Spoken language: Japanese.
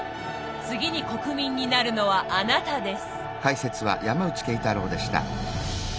次に国民になるのはあなたです。